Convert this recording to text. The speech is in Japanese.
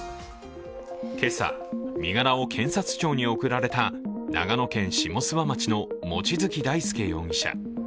今朝、身柄を検察庁に送られた長野県下諏訪町の望月大輔容疑者。